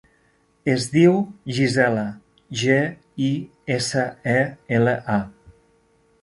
Es diu Gisela: ge, i, essa, e, ela, a.